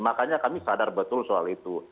makanya kami sadar betul soal itu